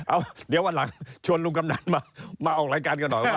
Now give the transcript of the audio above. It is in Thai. เอาเดี๋ยววันหลังชวนลุงกำนันมาออกรายการกันหน่อยว่า